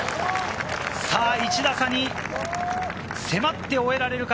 １打差に迫って終えられるか？